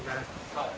はい。